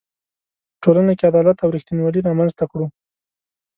په ټولنه کې عدالت او ریښتینولي رامنځ ته کړو.